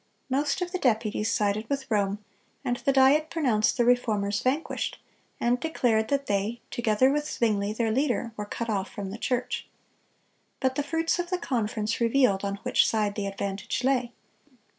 Most of the deputies sided with Rome, and the Diet pronounced the Reformers vanquished, and declared that they, together with Zwingle, their leader, were cut off from the church. But the fruits of the conference revealed on which side the advantage lay.